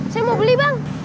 saya mau beli bang